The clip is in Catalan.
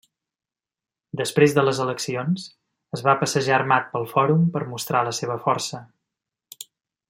Després de les eleccions, es va passejar armat pel Fòrum per mostrar la seva força.